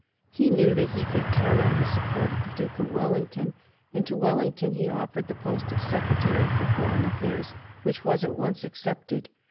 He knew that he could count on the support of the Duke of Wellington, and to Wellington he offered the post of Secretary for Foreign Affairs, which was at once accepted.